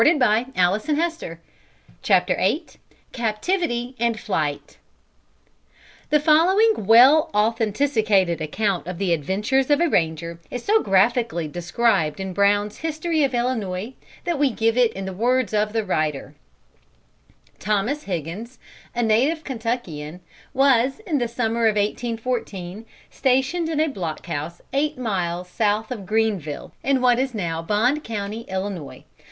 Indian Designs. Escape of Boone. Attacks the Savages. The Fort Threatened. The following well authenticated account of the adventures of a ranger is so graphically described in Brown's History of Illinois, that we give it in the words of the writer: "Thomas Higgins, a native Kentuckian, was, in the summer of 1814, stationed in a block house eight miles south of Greenville, in what is now Bond County, Illinois.